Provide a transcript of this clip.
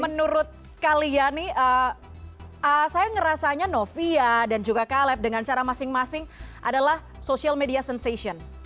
menurut kalian saya ngerasanya novia dan juga caleb dengan cara masing masing adalah social media sensation